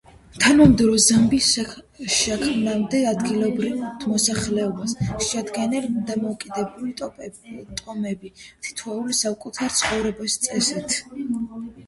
თანამედროვე ზამბიის შექმნამდე, ადგილობრივ მოსახლეობას შეადგენდნენ დამოუკიდებელი ტომები, თითოეული საკუთარი ცხოვრების წესით.